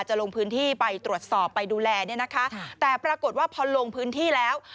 ลงพื้นที่ไปตรวจสอบไปดูแลเนี่ยนะคะแต่ปรากฏว่าพอลงพื้นที่แล้ว